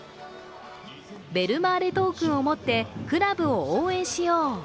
「ベルマーレトークンを持ってクラブを応援しよう」